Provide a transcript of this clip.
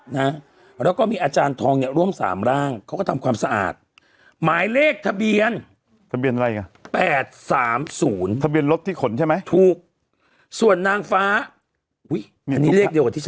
นะแล้วก็มีอาจารย์ทองเนี่ยร่วมสามร่างเขาก็ทำความสะอาดหมายเลขทะเบียนทะเบียนอะไรอ่ะ๘๓๐ทะเบียนรถที่ขนใช่ไหมถูกส่วนนางฟ้าอุ้ยอันนี้เลขเดียวกับที่๒